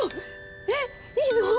えっいいの？